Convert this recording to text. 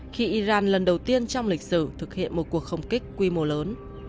khi iran lần đầu tiên trong lịch sử thực hiện một cuộc không kích quy mô lớn